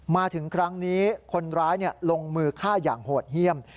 มาถึงครั้งนี้คนร้ายลงมือฆ่าอย่างโหดเยี่ยม